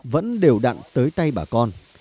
vẫn đều đặn tới tay bà con